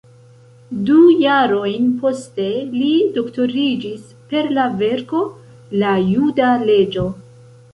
Du jarojn poste li doktoriĝis per la verko "La juda leĝo.